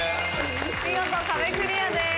見事壁クリアです。